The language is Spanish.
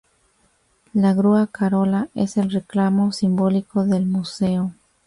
La grúa Carola es el reclamo simbólico del museo.